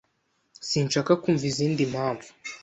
Sinshaka kumva izindi mpamvu